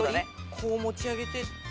こう持ち上げて。